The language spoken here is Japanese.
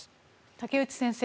武内先生